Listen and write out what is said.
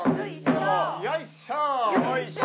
よいしょ。